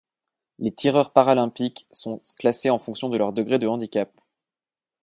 Les tireurs paralympiques sont classés en fonction de leur degré de handicap.